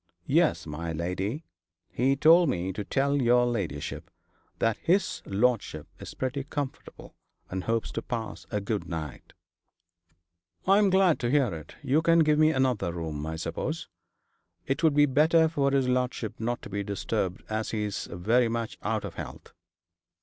'Yes, my lady. He told me to tell your ladyship that his lordship is pretty comfortable, and hopes to pass a good night.' 'I am glad to hear it. You can give me another room, I suppose. It would be better for his lordship not to be disturbed, as he is very much out of health.'